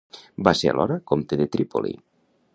Va ser alhora comte de Trípoli.